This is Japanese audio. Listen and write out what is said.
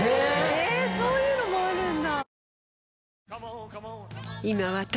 えっそういうのもあるんだ。